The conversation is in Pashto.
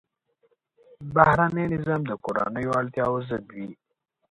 بهرنی نظام د کورنیو اړتیاوو ضد وي.